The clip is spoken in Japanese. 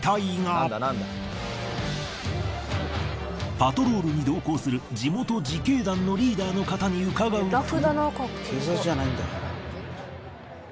パトロールに同行する地元自警団のリーダーの方にうかがうと。